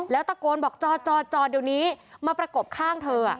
แล้วตะโกนบอกจอเดี๋ยวนี้มาประกบข้างเธอ